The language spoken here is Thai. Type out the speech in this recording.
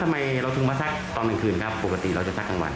ทำไมเราถึงมาซักตอนกลางคืนครับปกติเราจะซักกลางวัน